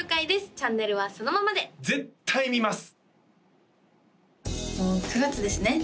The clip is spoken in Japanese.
チャンネルはそのままで絶対見ます！